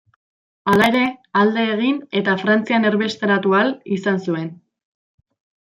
Hala ere, alde egin eta Frantzian erbesteratu ahal izan zuen.